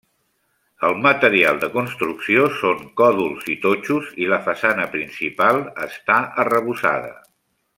El material de construcció són còdols i totxos i la façana principal està arrebossada.